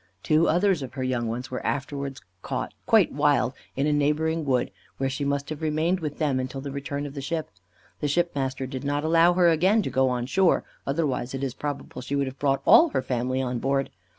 Two others of her young ones were afterwards caught, quite wild, in a neighbouring wood, where she must have remained with them until the return of the ship. The shipmaster did not allow her, again, to go on shore, otherwise it is probable she would have brought all her family on board.